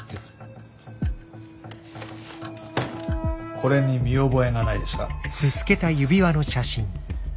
これに見覚えがないですか？